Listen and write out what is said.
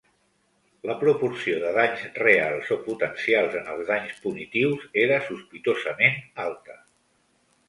La proporció de danys reals o potencials en els danys punitius era sospitosament alta.